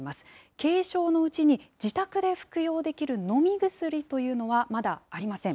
軽症のうちに自宅で服用できる飲み薬というのはまだありません。